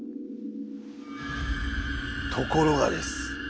ところがです。